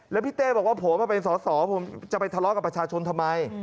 แล้วพี่เต้บอกว่าผมเป็นสอสอผมจะไปทะเลาะกับประชาชนทำไม